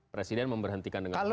presiden memberhentikan dengan normal